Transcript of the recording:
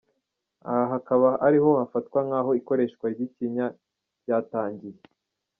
Aha hakaba ari ho hafatwa nk’aho ikoreshwa ry’ikinya ryatangiye.